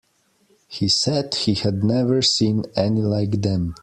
He said he had never seen any like them.